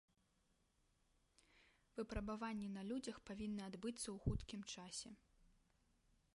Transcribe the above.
Выпрабаванні на людзях павінны адбыцца ў хуткім часам.